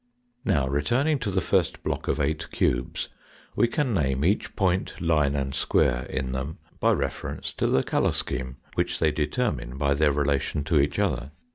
Now returning to the first block of eight cubes we can name each point, line, and square in them by reference to the colour scheme, which they determine by their relation to each other.